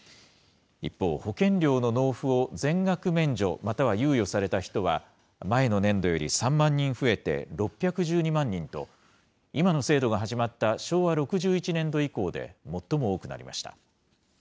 一方、保険料の納付を全額免除または猶予された人は、前の年度より３万人増えて６１２万人と、今の制度が始まった昭和６１年度以降で最も多くなりました。